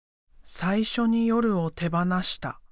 「最初に夜を手ばなした」